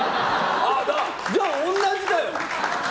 じゃあ同じだよ！